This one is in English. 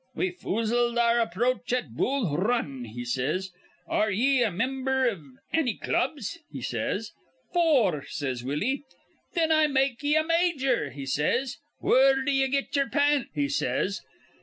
We foozled our approach at Bull R run,' he says. 'Ar re ye a mimber iv anny clubs?' he says. 'Four,' says Willie. 'Thin I make ye a major,' he says. 'Where d'ye get ye'er pants?' he says.